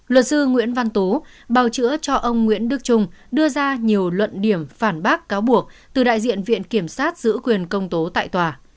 luật sư nguyễn văn tố bào chữa cho ông nguyễn đức trung đưa ra nhiều luận điểm phản bác cáo buộc từ đại diện viện kiểm sát giữ quyền công tố tại tòa